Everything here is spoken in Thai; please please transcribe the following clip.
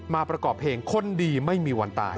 ประกอบเพลงคนดีไม่มีวันตาย